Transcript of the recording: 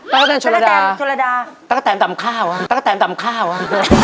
ตะกะแตนชนระดาตะกะแตนตำข้าวอ่ะตะกะแตนตำข้าวอ่ะ